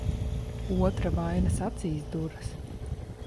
Otra vainas acīs duras.